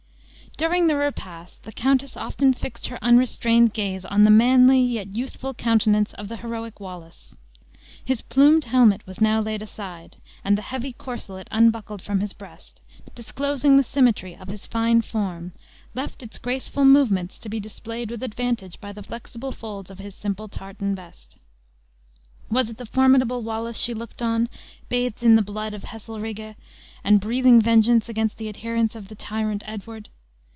During the repast, the countess often fixed her unrestrained gaze on the manly yet youthful countenance of the heroic Wallace. His plumed helmet was now laid aside; and the heavy corselet unbuckled from his breast, disclosing the symmetry of his fine form, left its graceful movements to be displayed with advantage by the flexible folds of his simple tartan vest. Was it the formidable Wallace she looked on, bathed in the blood of Heselrigge, and breathing vengeance against the adherents of the tyrant Edward!